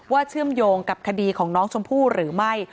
เชื่อมโยงกับคดีของน้องชมพู่หรือไม่